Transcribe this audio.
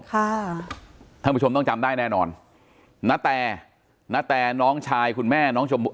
ท่านผู้ชมต้องจำได้แน่นอนณแต่ณแต่น้องชายคุณแม่น้องชมพู่